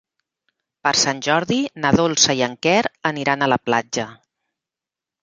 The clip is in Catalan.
Per Sant Jordi na Dolça i en Quer aniran a la platja.